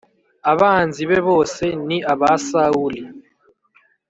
abanzi be bose ni aba Sawuli